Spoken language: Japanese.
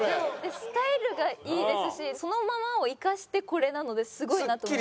スタイルがいいですしそのままを生かしてこれなのですごいなと思います。